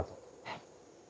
えっ？